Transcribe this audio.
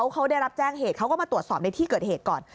เขาได้รับแจ้งเหตุเขาก็มาตรวจสอบในที่เกิดเหตุก่อน